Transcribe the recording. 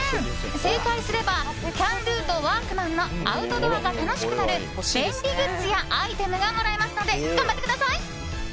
正解すればキャンドゥとワークマンのアウトドアが楽しくなる便利グッズやアイテムがもらえますので頑張ってください。